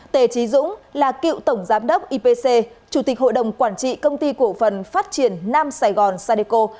tề trí dũng là cựu tổng giám đốc ipc chủ tịch hội đồng quản trị công ty cổ phần phát triển nam sài gòn sadeco